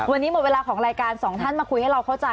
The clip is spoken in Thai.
วันนี้หมดเวลาของรายการสองท่านมาคุยให้เราเข้าใจ